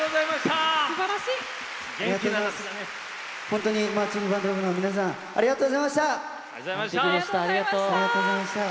本当にマーチングバンド部の皆さんありがとうございました！